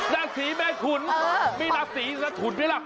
ราศีแม่ขุนมีราศีละขุนไหมล่ะ